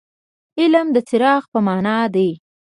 علم د څراغ په معنا دي.